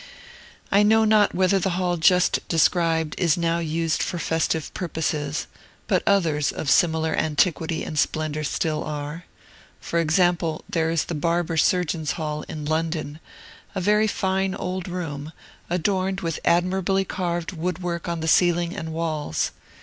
I know not whether the hall just described is now used for festive purposes, but others of similar antiquity and splendor still are. For example, there is Barber Surgeons' Hall, in London, a very fine old room, adorned with admirably carved wood work on the ceiling and walls.